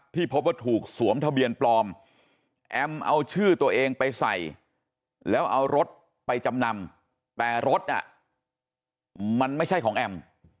ที่พบว่าถูกสวมทะเบียนปลอมแอมเอาชื่อตัวเองไปใส่แล้วเอารถไปจำนำแต่รถมันไม่ใช่ของแอม